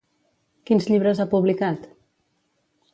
Quins llibres ha publicat?